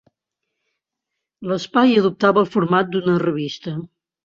L'espai adoptava el format d'una revista.